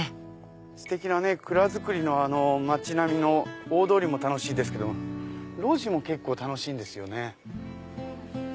ステキな蔵造りの町並みの大通りも楽しいですけど路地も結構楽しいんですよね。